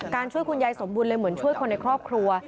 ช่วยคุณยายสมบูรณเลยเหมือนช่วยคนในครอบครัว